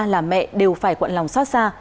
làm mẹ đều phải quận lòng xót xa